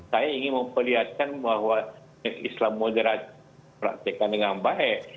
saya ingin memperlihatkan bahwa islam moderat praktekkan dengan baik